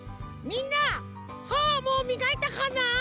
みんなはもうみがいたかな？